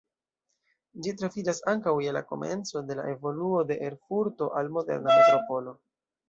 Ĝi troviĝas ankaŭ je la komenco de la evoluo de Erfurto al moderna metropolo.